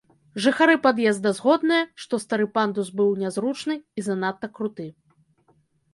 Жыхары пад'езда згодныя, што стары пандус быў нязручны і занадта круты.